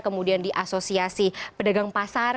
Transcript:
kemudian di asosiasi pedagang pasar